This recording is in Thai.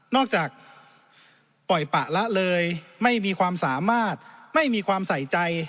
จากปล่อยปะละเลยไม่มีความสามารถไม่มีความใส่ใจ